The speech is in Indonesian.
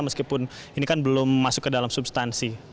meskipun ini kan belum masuk ke dalam substansi